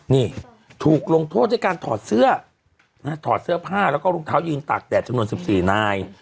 นี่ถูกลงโทษด้วยการถอดเสื้อถอดเสื้อผ้าแล้วก็รองเท้ายืนตากแดดจำนวน๑๔นาย